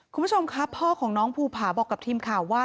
คุณผู้ชมครับพ่อของน้องภูผาบอกกับทีมข่าวว่า